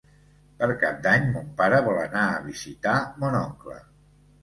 Per Cap d'Any mon pare vol anar a visitar mon oncle.